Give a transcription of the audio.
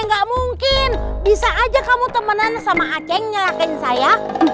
ini nggak mungkin bisa aja kamu temenan sama aceng nyalahin saya